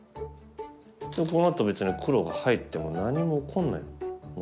こうなったら別に黒が入っても何も起こんないもん。